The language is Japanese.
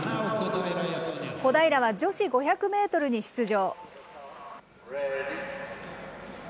小平は女子５００メートルに出場。